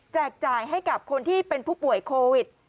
จ่ายให้กับคนที่เป็นผู้ป่วยโควิด